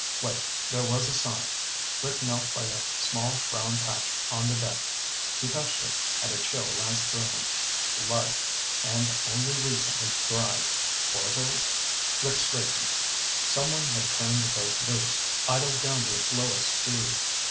Wait there was a sign. Rick knelt by a small brown patch on the deck. He touched it, and a chill lanced through him. Blood, and only recently dried. Orvil's? Rick straightened. Someone had turned the boat loose, idled down to its lowest speed.